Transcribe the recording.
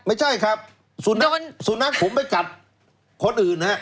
ไม่ใช่ครับสุนัขผมไปกัดคนอื่นฮะ